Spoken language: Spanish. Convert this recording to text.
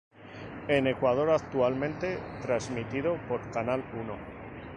En Ecuador actualmente transmitido por Canal Uno.